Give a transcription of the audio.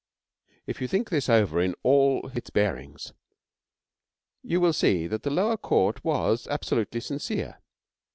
If you think this over in all its bearings, you will see that the lower court was absolutely sincere.